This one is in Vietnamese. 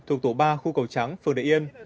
thuộc tổ ba khu cầu trắng phường đại yên